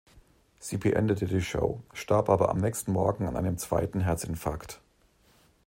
Sie beendete die Show, starb aber am nächsten Morgen an einem zweiten Herzinfarkt.